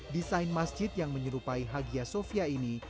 desain masjid yang menyerupai hagia sofia ini